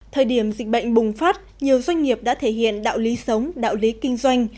thời điểm dịch bệnh bùng phát nhiều doanh nghiệp đã thể hiện đạo lý sống đạo lý kinh doanh